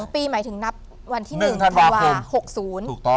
๒ปีหมายถึงนับวันที่๑ธุระว่า๖ศูนย์